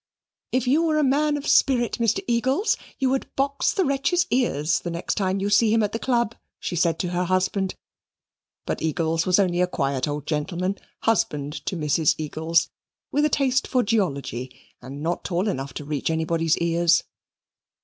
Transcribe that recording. "If you were a man of any spirit, Mr. Eagles, you would box the wretch's ears the next time you see him at the Club," she said to her husband. But Eagles was only a quiet old gentleman, husband to Mrs. Eagles, with a taste for geology, and not tall enough to reach anybody's ears.